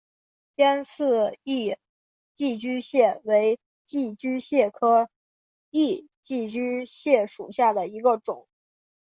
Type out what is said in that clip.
尖刺异寄居蟹为寄居蟹科异寄居蟹属下的一个种。